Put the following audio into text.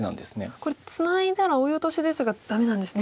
これツナいだらオイオトシですがダメなんですね。